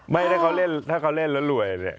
ไม่ถ้าเค้าเล่นแล้วรวยเนี่ย